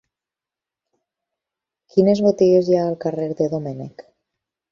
Quines botigues hi ha al carrer de Domènech?